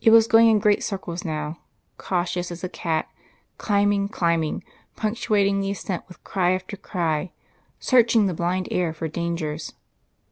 It was going in great circles now, cautious as a cat, climbing, climbing, punctuating the ascent with cry after cry, searching the blind air for dangers.